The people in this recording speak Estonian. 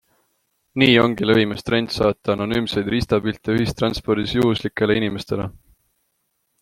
Nii ongi levimas trend saata anonüümseid riistapilte ühistranspordis juhuslikele inimestele.